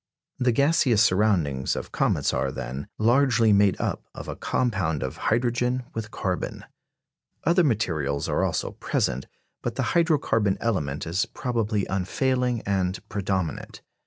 The gaseous surroundings of comets are, then, largely made up of a compound of hydrogen with carbon. Other materials are also present; but the hydro carbon element is probably unfailing and predominant.